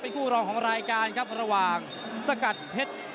คู่รองของรายการครับระหว่างสกัดเพชร